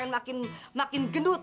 dan makin gendut